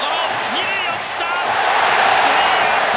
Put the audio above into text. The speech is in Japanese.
二塁へ送った、スリーアウト！